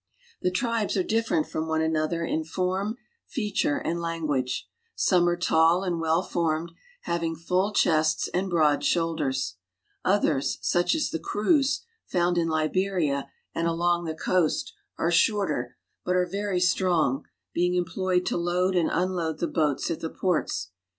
THE HOME OF THE NEGRO 193 The tribes are different from one another in form, feature, ' and language. Some are tail and well formed, having full chests and broad shoulders. Others, such as the Kroos (kroOs), found in Liberia and along the coast, are shorter, ^^^ but are very strong, being employed to load and unload ^^L the boats at the ports.